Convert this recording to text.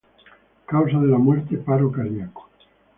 Causa de la muerte: paro cardíaco.